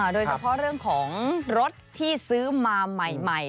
โดยเฉพาะเรื่องของรถที่ซื้อมาใหม่